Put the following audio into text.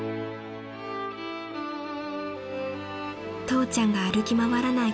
［父ちゃんが歩き回らない